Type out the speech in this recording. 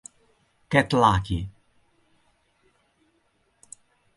Get Lucky